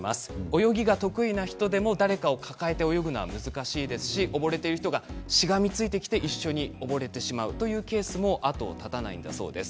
泳ぎが得意な人でも誰かを抱えて泳ぐのは難しいですし溺れている人がしがみついてきて一緒に溺れてしまうというケースも後を絶たないんだそうです。